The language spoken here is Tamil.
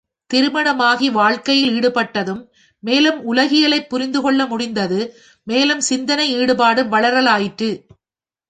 திருமணம் ஆகி வாழ்க்கையில் ஈடுபட்டதும் மேலும் உலகியலைப் புரிந்து கொள்ள முடிந்தது மேலும் சிந்தனை ஈடுபாடு வளரலாயிற்று.